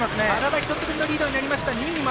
体１つ分のリードになります。